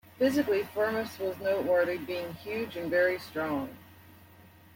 Physically, Firmus was noteworthy, being huge and very strong.